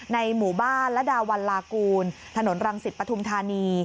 ในหมู่บ้านระดาวันลากูลถนนรังสิตปฐุมธานี